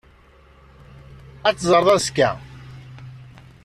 Ad t-teẓreḍ azekka.